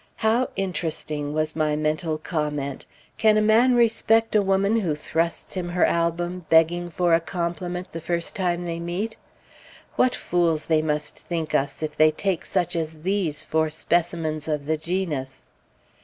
"How interesting!" was my mental comment. "Can a man respect a woman who thrusts him her album, begging for a compliment the first time they meet? What fools they must think us, if they take such as these for specimens of the genus!"